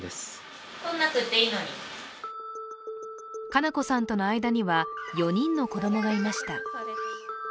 佳菜子さんとの間には４人の子供がいました。